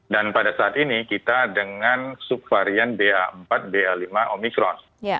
dan pada saat ini kita dengan subvarian da empat da lima omikron